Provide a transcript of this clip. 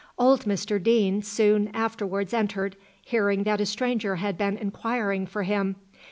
Old Mr Deane soon afterwards entered, hearing that a stranger had been inquiring for him.